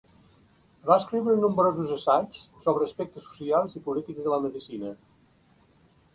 Va escriure nombrosos assaigs sobre aspectes socials i polítics de la medicina.